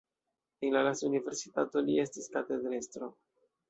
En la lasta universitato li estis katedrestro.